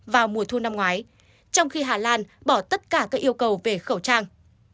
vào mùa thu năm ngoái trong khi hà lan bỏ tất cả các yêu cầu về khẩu trang